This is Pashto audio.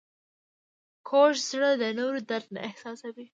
کوږ زړه د نورو درد نه احساسوي